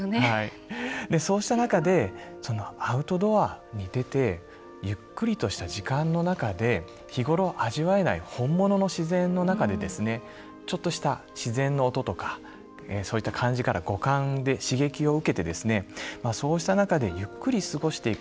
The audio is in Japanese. そうした中で、アウトドアに出てゆっくりとした時間の中で日頃、味わえない本物の自然の中でちょっとした自然の音とかそういった感じから五感で刺激を受けてそうした中でゆっくり過ごしていく。